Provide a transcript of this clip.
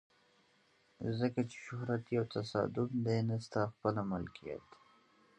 ځکه چې شهرت یو تصادف دی نه ستا خپله ملکیت.